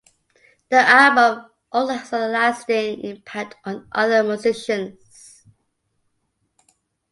The album also had a lasting impact on other musicians.